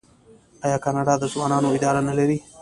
آیا کاناډا د ځوانانو اداره نلري؟